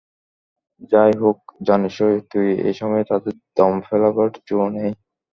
যাই হোক, জানিসই তো এসময়ে তাদের দম ফেলবার জো নেই?